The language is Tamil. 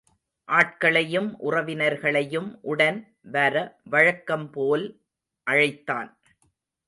ஆட்களையும் உறவினர்களையும் உடன் வர வழக்கம் போல் அழைத்தான்.